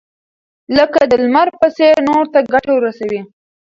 لکه د لمر په څېر نورو ته ګټه ورسوئ.